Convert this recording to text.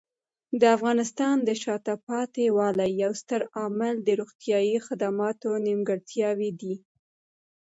د افغانستان د شاته پاتې والي یو ستر عامل د روغتیايي خدماتو نیمګړتیاوې دي.